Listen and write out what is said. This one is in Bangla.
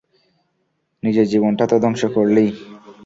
নিজের জীবনটা তো ধ্বংস করলিই।